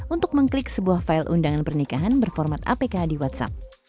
untuk mengklik sebuah file undangan pernikahan berformat apk di whatsapp